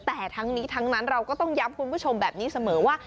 แต่ทั้งนี้ทั้งนั้นเราก็ต้องย้ำคุณผู้ชมแบบนี้เสมอว่า